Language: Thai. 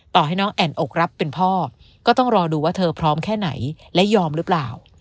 ต่อให้น้องแอ่นอกรับเป็นพ่อก็ต้องรอดูว่าเธอพร้อมแค่ไหนและยอมหรือเปล่า